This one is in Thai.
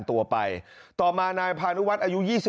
เขาเล่าบอกว่าเขากับเพื่อนเนี่ยที่เรียนปลูกแดงใช่ไหม